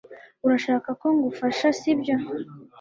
Urashaka ko ngufasha sibyo